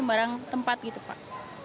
barang tempat gitu pak